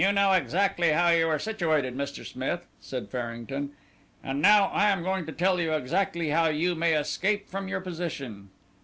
"You know exactly how you are situated, Mr. Smith," said Farrington, "and now I am going to tell you exactly how you may escape from your position."